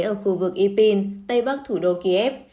ở khu vực ipin tây bắc thủ đô kiev